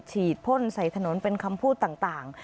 พ่นใส่ถนนเป็นคำพูดต่าง